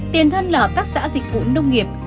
tiền thân là hợp tác xã dịch vụ nông nghiệp